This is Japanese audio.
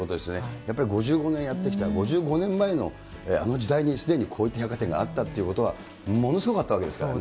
やっぱり５５年やってきた、５５年前のあの時代にすでにこういった百貨店があったということは、ものすごかったわけですからね。